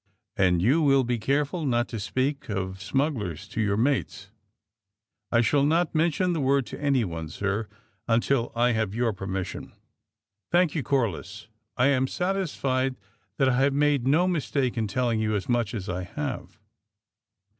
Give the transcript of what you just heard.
^'And you will be careful not to speak of smugglers to your mates?" '^I shall not mention the word to anyone, sir, until I have your permission. '' '•Thank you, Corliss. I am satisfied that T have made no mistake in telling you as much as I have.